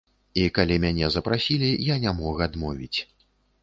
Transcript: І калі мяне запрасілі, я не мог адмовіць.